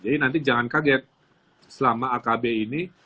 jadi nanti jangan kaget selama akb ini